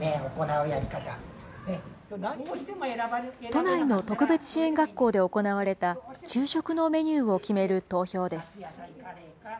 都内の特別支援学校で行われた、給食のメニューを決める投票です。